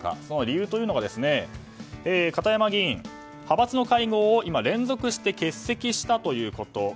その理由というのが片山議員、派閥の会合を今、連続して欠席したということ。